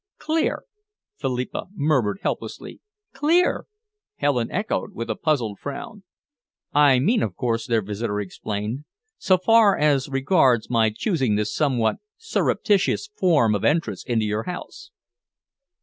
"Clear?" Philippa murmured helplessly. "Clear?" Helen echoed, with a puzzled frown. "I mean, of course," their visitor explained, "so far as regards my choosing this somewhat surreptitious form of entrance into your house."